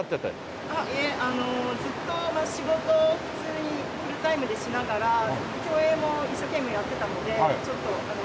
いえあのずっと仕事を普通にフルタイムでしながら競泳も一生懸命やってたのでちょっとご縁が。